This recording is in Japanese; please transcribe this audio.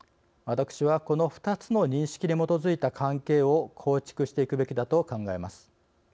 私はこの２つの認識に基づいた関係を構築していくべきだと考えます。